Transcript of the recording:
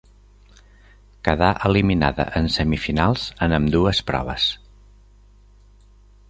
Quedà eliminada en semifinals en ambdues proves.